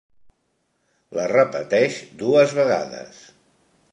La repeteix dues vegades.